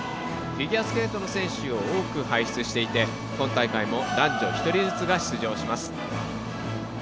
フィギュアスケートの選手を多く輩出していて今大会も男女１人ずつが出場します。